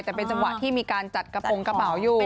แต่เป็นจังหวะที่มีการจัดกระโปรงกระเป๋าอยู่